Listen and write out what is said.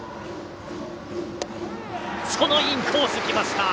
インコースきました！